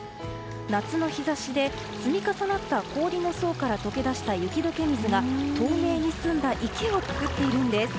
夏の日差しで積み重なった氷の層から解け出した雪解け水が透明に澄んだ池を作っているんです。